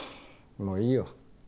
もういいよ。